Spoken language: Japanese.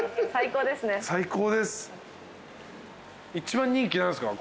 最高ですね。